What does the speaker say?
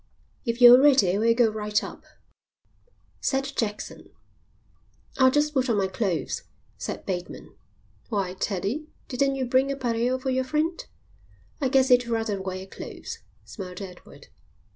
"If you're ready we'll go right up," said Jackson. "I'll just put on my clothes," said Bateman. "Why, Teddie, didn't you bring a pareo for your friend?" "I guess he'd rather wear clothes," smiled Edward.